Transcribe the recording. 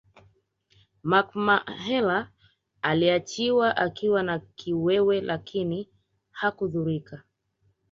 Mark Mahela aliachiwa akiwa na kiwewe lakini hakudhurika